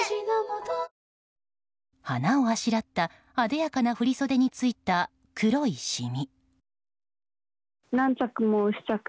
花をあしらったあでやかな振り袖についた黒いシミ。